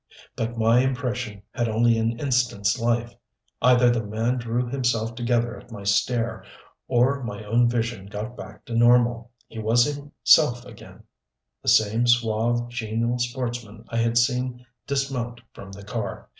But my impression had only an instant's life. Either the man drew himself together at my stare, or my own vision got back to normal. He was himself again the same, suave, genial sportsman I had seen dismount from the car.